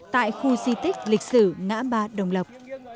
tại khu di tích lịch sử ngã ba đồng lộc